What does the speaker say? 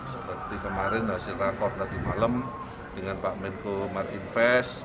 seperti kemarin hasil rakor tadi malam dengan pak menko marinvest